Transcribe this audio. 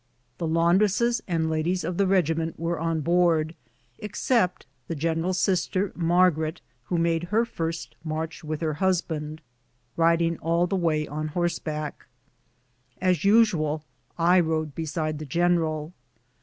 The laundresses and ladies of the regiment were on board, except the general's sister, Margaret, who made her first march with her husband, riding all the way on horseback. As usual, I rode beside the general.